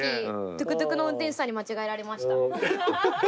トゥクトゥクの運転手さんに間違えられました。